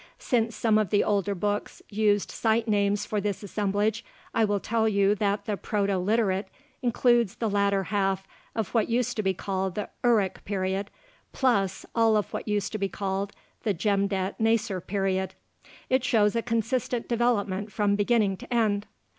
Since some of the older books used site names for this assemblage, I will tell you that the Proto Literate includes the latter half of what used to be called the "Uruk period" plus all of what used to be called the "Jemdet Nasr period." It shows a consistent development from beginning to end.